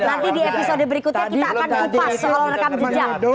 nanti di episode berikutnya kita akan kupas soal rekam jejak